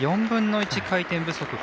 ４分の１、回転不足。